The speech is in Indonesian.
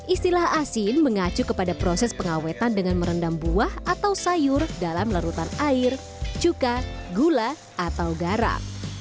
istilah asin mengacu kepada proses pengawetan dengan merendam buah atau sayur dalam larutan air cuka gula atau garam